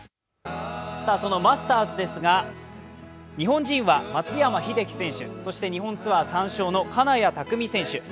そのマスターズですが日本人は松山英樹選手、そして日本ツアー３勝の金谷拓実選手